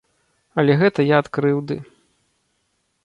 Але гэта я ад крыўды.